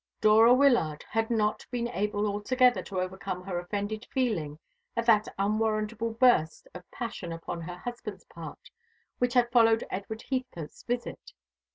Dora Wyllard had not been able altogether to overcome her offended feeling at that unwarrantable burst of passion upon her husband's part, which had followed Edward Heathcote's visit.